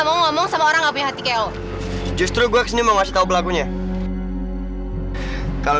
mana sih si motornya